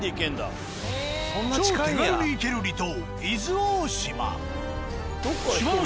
超手軽に行ける離島。